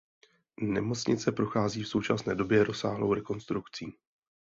Nemocnice prochází v současné době rozsáhlou rekonstrukcí.